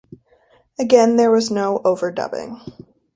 Again, there was no overdubbing.